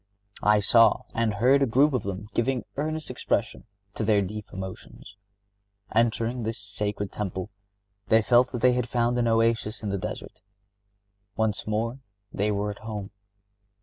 I saw and heard a group of them giving earnest expression to their deep emotions. Entering this sacred temple, they felt that they had found an oasis in the desert. Once more they were at home.